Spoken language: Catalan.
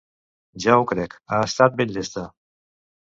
Ja ho crec, ha estat ben llesta.